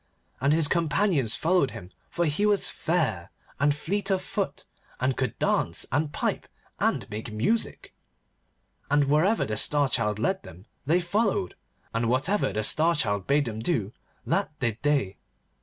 And his companions followed him, for he was fair, and fleet of foot, and could dance, and pipe, and make music. And wherever the Star Child led them they followed, and whatever the Star Child bade them do, that did they.